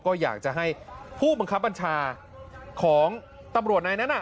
ก็อยากจะให้ผู้บังคับบัญชาของตำรวจนายนั้น